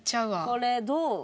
「これどう？」。